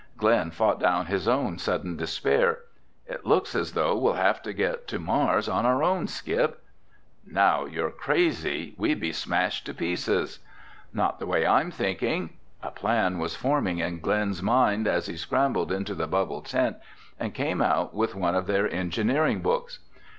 Glen fought down his own sudden despair. "It looks as though we'll have to get to Mars on our own, Skip." "Now you're crazy! We'd be smashed to pieces!" "Not the way I'm thinking." A plan was forming in Glen's mind, as he scrambled into the bubble tent and came out with one of their engineering books.